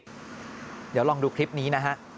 เดี๋ยวลองดูคลิปนี้นะฮะ